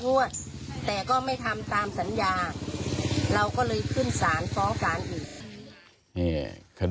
วดแต่ก็ไม่ทำตามสัญญาเราก็เลยขึ้นสารฟ้องศาลอีก